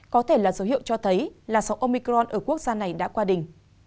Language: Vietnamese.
có thể là dấu hiệu cho thấy là sóng omicron ở quốc gia này đã qua đỉnh